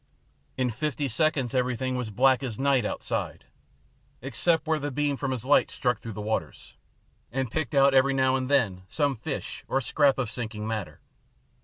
In fifty seconds everything was as black as night outside, except where the beam from his light struck through the waters, and picked out every now and then some fish or scrap of sinking matter.